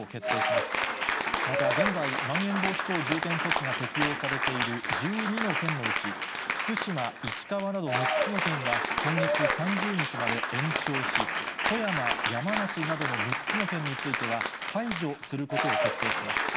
また現在、まん延防止等重点措置が適用されている１２の県のうち、福島、石川など６つの県は今月３０日まで延長し、富山、山梨などの６つの県については、解除することを決定します。